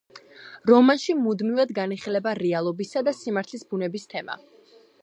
რომანში მუდმივად განიხილება რეალობისა და სიმართლის ბუნების თემა.